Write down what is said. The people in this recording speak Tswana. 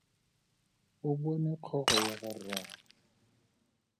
O bone kgogo ya ga rraagwe!